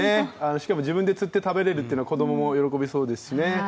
しかも、自分で釣って食べられるっていうのは子供も喜びますからね。